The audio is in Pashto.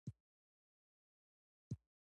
ماښام يې بيرته هغه بيرغ او لوحه راکوزه کړه.